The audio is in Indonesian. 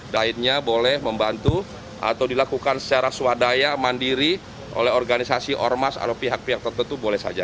dainya boleh membantu atau dilakukan secara swadaya mandiri oleh organisasi ormas atau pihak pihak tertentu boleh saja